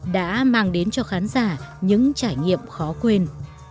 đã mang đến cho khán giả những trải nghiệm khó quên